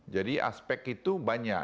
jadi aspek itu banyak